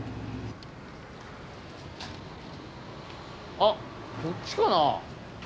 あこっちかな？